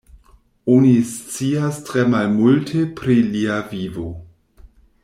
Oni scias tre malmulte pri lia vivo.